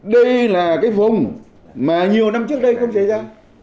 đây là cái vùng mà nhiều năm trước đây không xảy ra